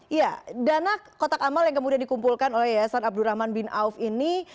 iya dana kotak amal yang kemudian dikumpulkan oleh yayasan abdurrahman bin auf ini